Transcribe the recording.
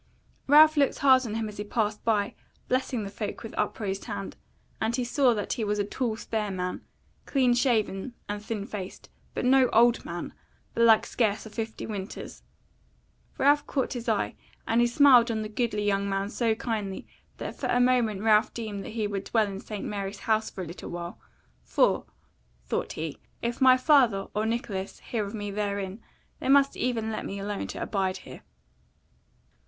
Ralph looked hard on him as he passed by, blessing the folk with upraised hand; and he saw that he was a tall spare man, clean shaven, and thin faced; but no old man, belike scarce of fifty winters. Ralph caught his eye, and he smiled on the goodly young man so kindly, that for a moment Ralph deemed that he would dwell in St. Mary's House for a little while; for, thought he, if my father, or Nicholas, hear of me therein, they must even let me alone to abide here.